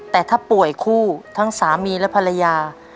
แต่ถ้าป่วยคู่ทั้งสามีและภรรยา